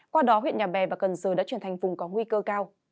qua đó huyện nhà bè và cần giờ đã trở thành vùng có nguy cơ cao